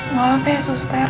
maaf ya suster